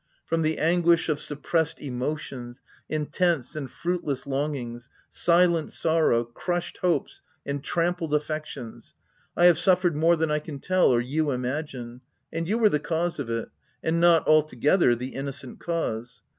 From the anguish of suppressed emotions, intense and fruitless longings, silent sorrow, crushed hopes, and trampled affections, — I have suffered more than I can tell, or you imagine — and you were the cause of it — and not, altogether, the innocent cause.